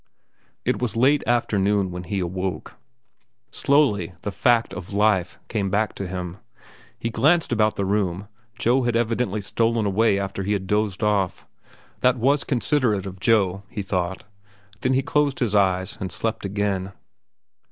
It was late afternoon when he awoke. Slowly the fact of life came back to him. He glanced about the room. Joe had evidently stolen away after he had dozed off. That was considerate of Joe, he thought. Then he closed his eyes and slept again.